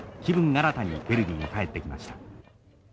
新たにヴェルディに帰ってきました。